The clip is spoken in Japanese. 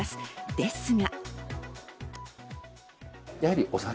ですが。